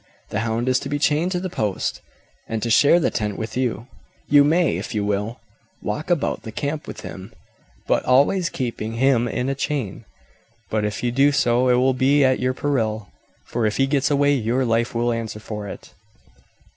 The hound is to be chained to the post, and to share the tent with you. You may, if you will, walk about the camp with him, but always keeping him in a chain; but if you do so it will be at your peril, for if he gets away your life will answer for it."